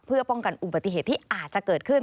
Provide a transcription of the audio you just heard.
เพื่อป้องกันอุบัติเหตุที่อาจจะเกิดขึ้น